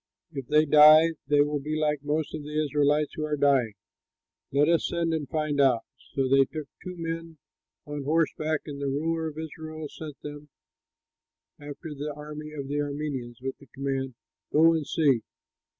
If they die, they will be like most of the Israelites who are dying! Let us send and find out." So they took two men on horseback, and the ruler of Israel sent them after the army of the Arameans with the command, "Go and see."